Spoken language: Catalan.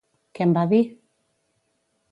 Què en va dir?